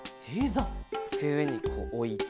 つくえにこうおいて。